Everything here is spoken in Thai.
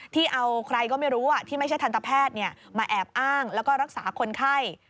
ที่เอาใครก็ไม่รู้ที่ไม่ใช่ทันตแพทย์มาแอบอ้างแล้วก็รักษาคนไข้